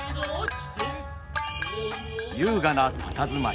優雅なたたずまい。